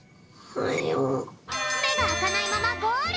めがあかないままゴール！